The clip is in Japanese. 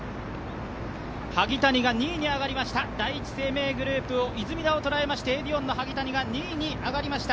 萩谷が２位に上がりました、第一生命グループ出水田を捉えましてエディオンの萩谷が２位に上がりました。